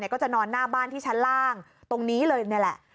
ก็จะนอนหน้าบ้านที่ชั้นล่างตรงนี้เลยนี่แหละ